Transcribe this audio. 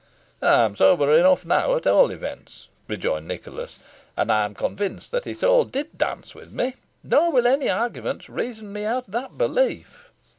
"I am sober enough now, at all events," rejoined Nicholas; "and I am convinced that Isole did dance with me, nor will any arguments reason me out of that belief."